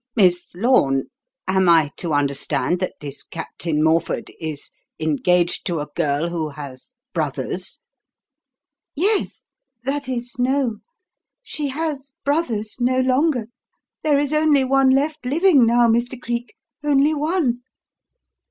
"Miss Lorne, am I to understand that this Captain Morford is engaged to a girl who has brothers?" "Yes. That is no. She has 'brothers' no longer. There is only one left living now, Mr. Cleek, only one.